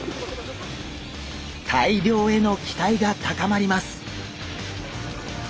大漁への期待が高まります。